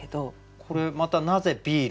これまたなぜビール？